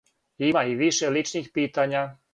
Има и више личних питања.